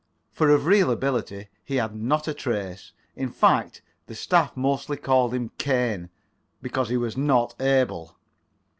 For of real ability he had not a trace. In fact, the staff mostly called him Cain, because he was not able.